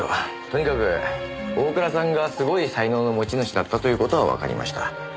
とにかく大倉さんがすごい才能の持ち主だったという事はわかりました。